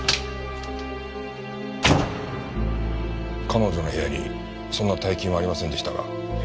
彼女の部屋にそんな大金はありませんでしたが。